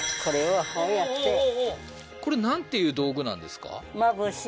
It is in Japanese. これなんていう道具なんですか？